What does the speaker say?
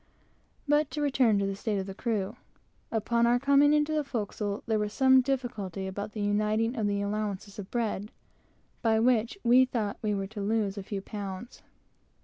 But to return to the state of the crew. Upon our coming into the forecastle, there was some difficulty about the uniting of the allowances of bread, by which we thought we were to lose a few pounds.